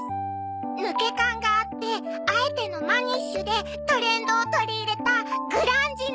抜け感があってあえてのマニッシュでトレンドを取り入れたグランジの。